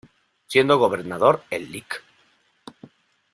Siendo gobernador el Lic.